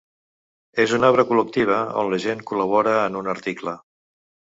És una obra col·lectiva on la gent col·labora en un article.